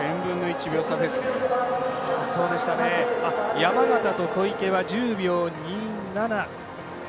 山縣と小池は１０秒２７。